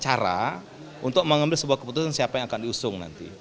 cara untuk mengambil sebuah keputusan siapa yang akan diusung nanti